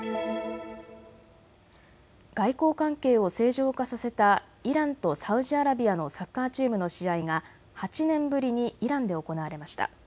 外交関係を正常化させたイランとサウジアラビアのサッカーチームの試合が８年ぶりにイランで行われました。